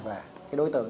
và cái đối tượng